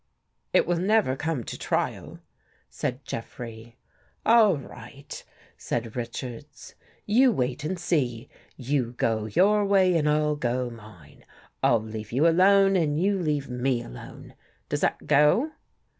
.." It will never come to trial," said Jeffrey. " All right," said Richards. " You wait and see. lYou go your way and I'll go mine. I'll leave you alone and you leave me alone. Does that go?